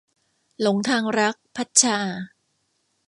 หลงทางรัก - พัดชา